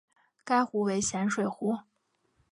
该湖为咸水湖。